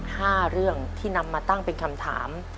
ห้าเรื่องที่นำมาตั้งเป็นคำถาม